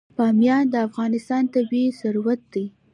بامیان د افغانستان طبعي ثروت دی.